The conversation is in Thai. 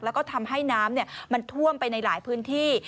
แล้วก็ทำให้น้ำมันท่วมไปในหลายพื้นที่